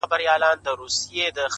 كه خپلوې مي نو در خپل مي كړه زړكيه زما!